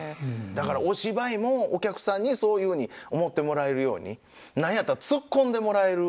だからお芝居もお客さんにそういうふうに思ってもらえるように何やったらツッコんでもらえるように。